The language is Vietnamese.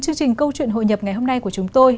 chương trình câu chuyện hội nhập ngày hôm nay của chúng tôi